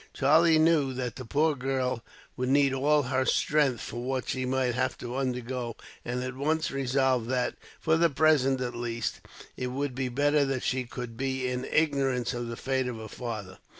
Charlie knew that the poor girl would need all her strength, for what she might have to undergo; and at once resolved that, for the present at least, it would be better that she should be in ignorance of the fate of her father.